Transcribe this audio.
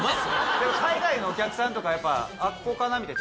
でも海外のお客さんとかやっぱ「あっここかな？」